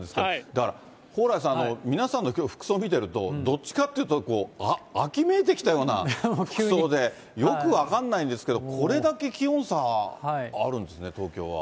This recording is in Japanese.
だから、蓬莱さん、皆さんのきょう、服装見てると、どっちかっていうと、秋めいてきたような服装で、よく分かんないんですけど、これだけ気温差あるんですね、東京は。